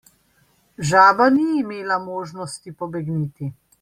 Žaba ni imela možnosti pobegniti.